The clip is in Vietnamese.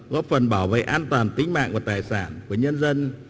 góp phần bảo vệ an toàn tính mạng và tài sản của nhân dân